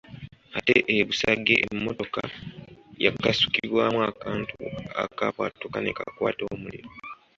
Ate e Busage emmotoka yakasukibwamu akantu akaabwatuka ne kakwata omuliro.